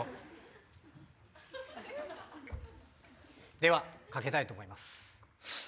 ではかけたいと思います。